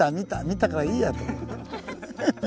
見たからいいや」と思って。